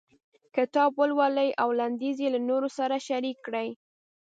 کتاب ولولئ او لنډيز یې له نورو سره شريک کړئ.